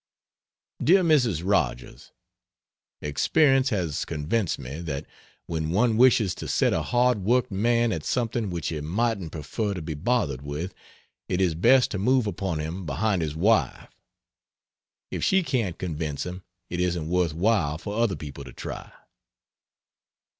DEAR MRS. ROGERS, Experience has convinced me that when one wishes to set a hard worked man at something which he mightn't prefer to be bothered with, it is best to move upon him behind his wife. If she can't convince him it isn't worth while for other people to try.